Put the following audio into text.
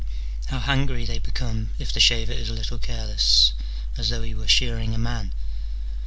How angry they become if the shaver is a little careless, as though he were shearing a man